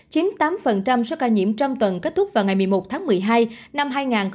chiếm tám số ca nhiễm trong tuần kết thúc vào ngày một mươi một tháng một mươi hai năm hai nghìn hai mươi ba